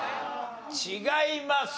違います。